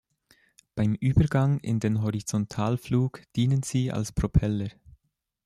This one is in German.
Beim Übergang in den Horizontalflug dienen sie als Propeller.